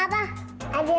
ada yang lebih oke